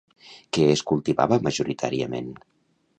Què es cultivava majoritàriament?